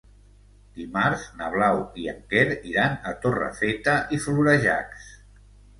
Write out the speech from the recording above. Dimarts na Blau i en Quer iran a Torrefeta i Florejacs.